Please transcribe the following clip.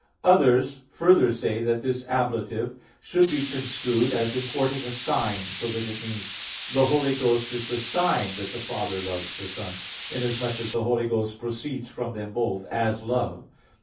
Others further say that this ablative should be construed as importing a sign, so that it means, "the Holy Ghost is the sign that the Father loves the Son"; inasmuch as the Holy Ghost proceeds from them both, as Love.